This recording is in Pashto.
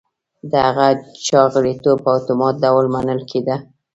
د هغه چا غړیتوب په اتومات ډول منل کېده.